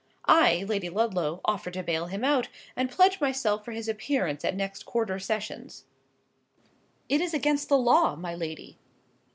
I, Lady Ludlow, offer to bail him out, and pledge myself for his appearance at next quarter sessions." "It is against the law, my lady."